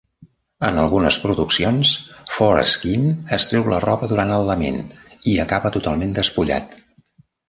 En algunes produccions, Foreskin es treu la roba durant el lament i acaba totalment despullat.